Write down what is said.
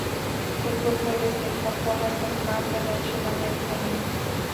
Se encuentra desde el Japón hasta el Mar de la China Meridional.